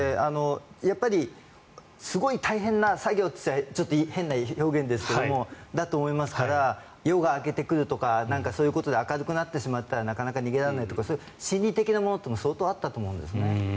やっぱりすごい大変な作業といったらちょっと変な表現ですがそう思いますから夜が明けてくるとかそういうことで明るくなってしまったら逃げられないとか心理的なものも相当あったと思うんです。